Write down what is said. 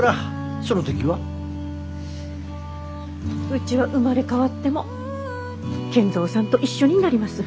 うちは生まれ変わっても賢三さんと一緒になります。